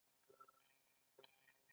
کله چې مازيګر د لمر وړانګې زيړې شوې.